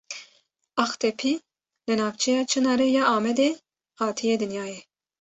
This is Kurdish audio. Aqtepî li navçeya Çinarê ya Amedê hatiye dinyayê.